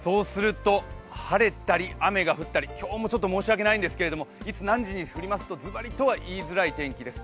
晴れたり雨が降ったり、今日も申し訳ないんですけれどもいつ何時に降りますとズバリとは言いづらい天気です。